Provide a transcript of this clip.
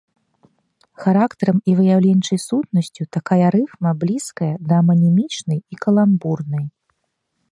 Характарам і выяўленчай сутнасцю такая рыфма блізкая да аманімічнай і каламбурнай.